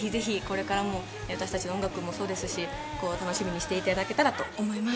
これからもぜひ、私たちの音楽もそうですし、楽しみにしていただけたらと思います。